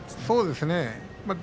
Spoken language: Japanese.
そうですね。